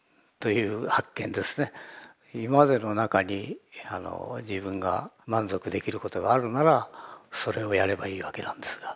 今までの中に自分が満足できることがあるならそれをやればいいわけなんですがそうではない。